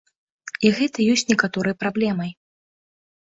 І гэта ёсць некаторай праблемай.